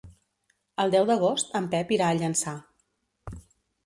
El deu d'agost en Pep irà a Llançà.